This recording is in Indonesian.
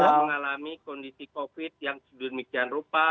kalau mengalami kondisi covid yang sedunmikian rupa